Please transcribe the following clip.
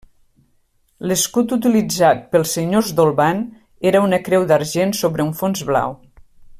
L'escut utilitzat pels senyors d'Olvan era una creu d'argent sobre un fons blau.